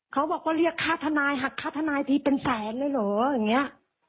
เขาบอกว่าเรียกค่าทนายหักค่าทนายทีเป็นแสนเลยเหรออย่างนี้